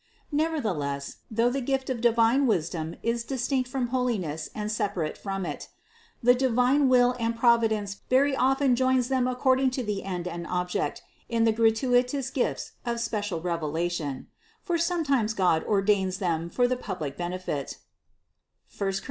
616. Nevertheless, though the gift of divine vision is distinct from holiness and separate from it, the divine will and providence very often joins them according to the end and object in the gratuitous gifts of special revela tion; for sometimes God ordains them for the public benefit (I Cor.